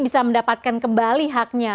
bisa mendapatkan kembali haknya